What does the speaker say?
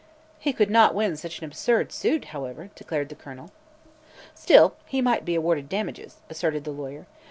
"He could not win such an absurd suit, however," declared the Colonel. "Still, he might be awarded damages," asserted the lawyer.